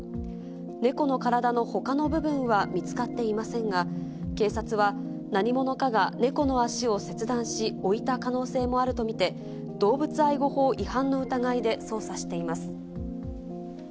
猫の体のほかの部分は見つかっていませんが、警察は何者かが猫の足を切断し、置いた可能性もあると見て、動物愛護法違反の疑いで捜査しています。